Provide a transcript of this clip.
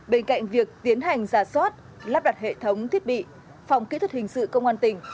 bên cạnh việc tiến hành giả soát lắp đặt hệ thống thiết bị phòng kỹ thuật hình sự công an tỉnh